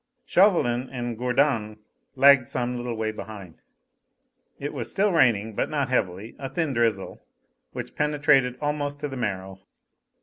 Chauvelin and Gourdon lagged some little way behind. It was still raining, but not heavily a thin drizzle, which penetrated almost to the marrow.